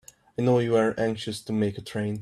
I know you're anxious to make a train.